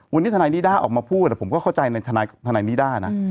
วันนี้ทนายนิด้าออกมาพูดผมก็เข้าใจในทนายนิด้านะ